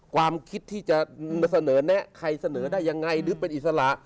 ความคิดที่จะเสนอแนะใครเสนอได้ยังไงหรือเป็นอิสระ